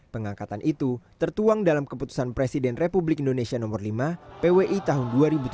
pengangkatan itu tertuang dalam keputusan presiden republik indonesia nomor lima pwi tahun dua ribu tujuh belas